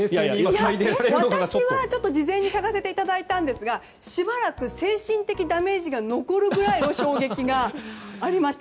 私は事前にかがせていただいたんですがしばらく精神的ダメージが残るぐらいの衝撃がありました。